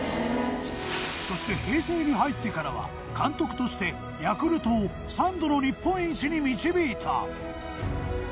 そして平成に入ってからは監督としてヤクルトを３度の日本一に導いた。